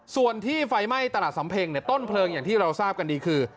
ส่วนที่ไฟไหม้ตลาดสำเพ็งเนี่ยต้นเพลิงอย่างที่เราทราบกันดีคือ